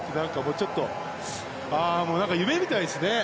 ちょっと夢みたいですね。